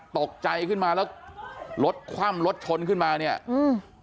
ตกใจขึ้นมาแล้วรถคว่ำรถชนขึ้นมาเนี้ยอืม